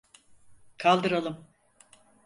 Kaldıralım.